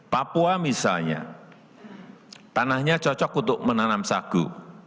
papua misalnya tanahnya cocok untuk menanam sagu